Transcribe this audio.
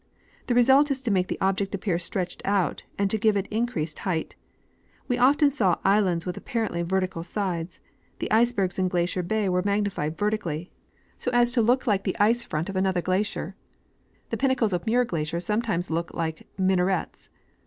The result is to make the object appear stretched out and to give it increased height. We often saw islands with apparently vertical sides; the icebergs in Glacier ]xay were magnified vertically so as to ; AT r,fOG. MAG VOL. IV. 1892. PL. 14. The fabled ''Phantom City." 53 look like the ice front of another glacier ; the pinnacles of Muir glacier sometimes look like minarets.